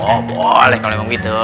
oh boleh kalau memang gitu